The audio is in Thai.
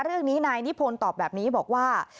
เรื่องนี้นายนิพนธ์ตอบแบบนี้บอกว่า